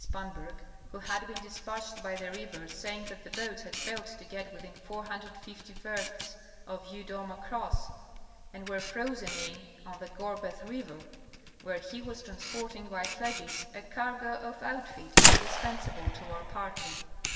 Spanberg, who had been dispatched _ by the river, saying that the boats had failed to get within 450 _ versts of Yudoma Cross and were frozen in on the Gorbeh River, where he was transporting by sledges a cargo of outfit indispen sable to our party.